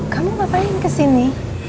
kamu ngapain kesini